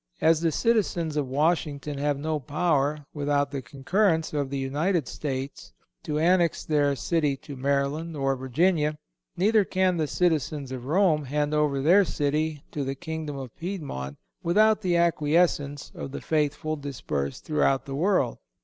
As the citizens of Washington have no power, without the concurrence of the United States, to annex their city to Maryland or Virginia, neither can the citizens of Rome hand over their city to the Kingdom of Piedmont without the acquiescence of the faithful dispersed throughout the world.